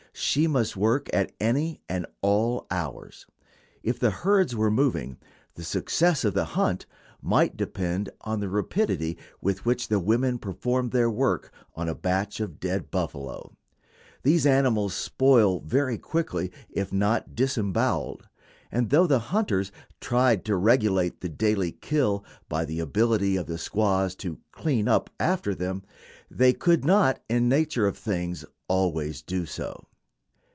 She must work at any and all hours. If the herds were moving, the success of the hunt might depend on the rapidity with which the women performed their work on a batch of dead buffalo. These animals spoil very quickly if not disemboweled, and though the hunters tried to regulate the daily kill by the ability of the squaws to "clean up" after them, they could, not in the nature of things, always do so.